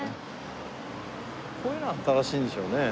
こういうのは新しいんでしょうね。